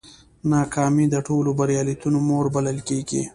ناکامي د ټولو بریالیتوبونو مور بلل کېږي.